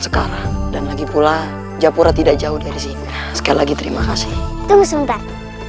sekarang dan lagi pula japura tidak jauh dari sini sekali lagi terima kasih kami sempat